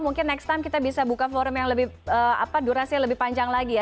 mungkin next time kita bisa buka forum yang lebih durasinya lebih panjang lagi ya